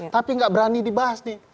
tapi nggak berani dibahas nih